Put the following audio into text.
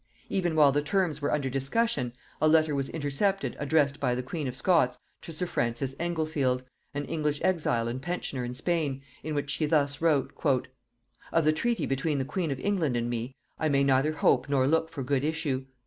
Even while the terms were under discussion, a letter was intercepted addressed by the queen of Scots to sir Francis Englefield, an English exile and pensioner in Spain, in which she thus wrote: "Of the treaty between the queen of England and me, I may neither hope nor look for good issue.